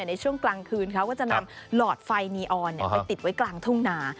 ในช่วงกลางคืนเขาก็จะนำหลอดไฟนีออนไปติดไว้กลางทุ่งนา